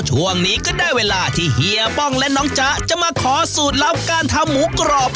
ช่วงนี้ก็ได้เวลาที่เฮียป้องและน้องจ๊ะจะมาขอสูตรลับการทำหมูกรอบ